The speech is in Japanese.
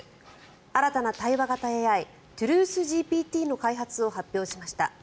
新たな対話型ＡＩトゥルースＧＰＴの開発を発表しました。